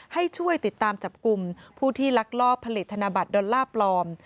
ให้ช่วยติดตามจับกลุ่มผู้ที่ลักลอบผลิตธนบัตรดอลลาร์ปลอม